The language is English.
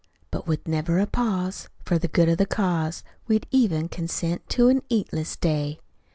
But with never a pause, For the good of the cause, We'd even consent to an eatless day.